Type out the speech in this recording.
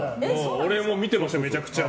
俺も見てました、めちゃくちゃ。